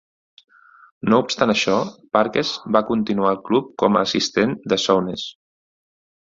No obstant això, Parkes va continuar al club com a assistent de Souness.